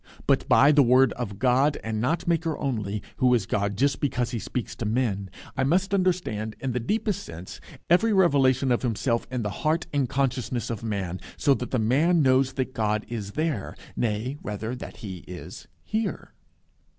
But by the word of the God and not Maker only, who is God just because he speaks to men, I must understand, in the deepest sense, every revelation of Himself in the heart and consciousness of man, so that the man knows that God is there, nay, rather, that he is here.